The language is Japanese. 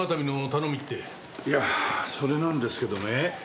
いやそれなんですけどね。